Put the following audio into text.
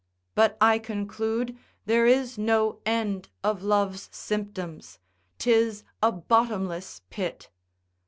But I conclude there is no end of love's symptoms, 'tis a bottomless pit.